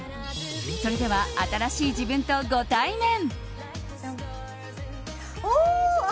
それでは、新しい自分とご対面。